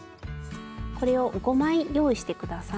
これを５枚用意して下さい。